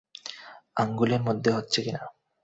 আংগুলের মধ্যে হচ্ছে কিনা।